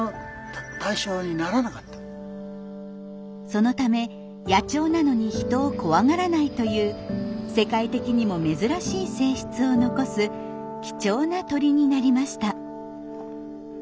そのため野鳥なのに人を怖がらないという世界的にも珍しい性質を残す貴重な鳥になりました。